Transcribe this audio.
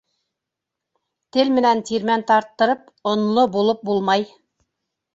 Тел менән тирмән тарттырып, онло булып булмай.